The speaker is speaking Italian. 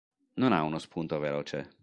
Non ha uno spunto veloce.